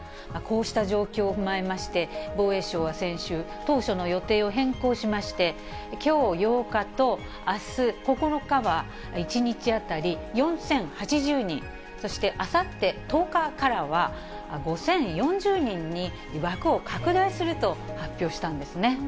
こうした状況を踏まえまして、防衛省は先週、当初の予定を変更しまして、きょう８日とあす９日は、１日当たり４０８０人、そしてあさって１０日からは、５０４０人に枠を拡大すると発表したんですね。